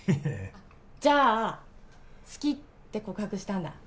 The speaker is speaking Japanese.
じゃ「好き」って告白したんだ